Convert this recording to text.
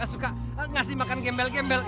suka ngasih makan gembel gembel